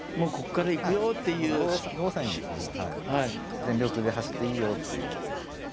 全力で走っていいよっていう。